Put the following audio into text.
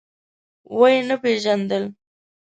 ويې نه پيژاندل.